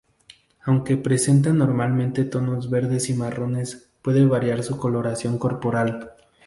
Aunque presenta normalmente tonos verdes y marrones, puede variar su coloración corporal.